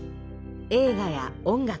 映画や音楽。